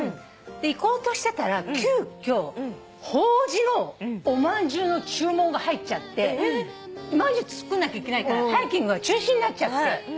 で行こうとしてたら急きょ法事のおまんじゅうの注文が入っちゃっておまんじゅう作んなきゃいけないからハイキングが中止になっちゃって。